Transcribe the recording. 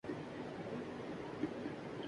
Venezuela میں افراط زر کی شرح بڑھ کر ریکارڈ فیصد پر